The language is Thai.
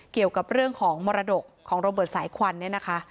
เกี่ยวกับเรื่องของมรดกของโรเบิร์ตสายควันเนี่ยนะคะ